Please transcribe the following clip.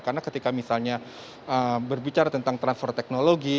karena ketika misalnya berbicara tentang transfer teknologi